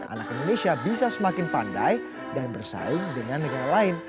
anak indonesia bisa semakin pandai dan bersaing dengan negara lain